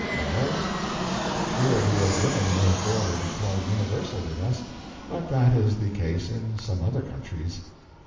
Morals? Purity of women may fairly be called universal with us, but that is the case in some other countries.